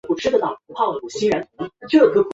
捐资新建观音殿。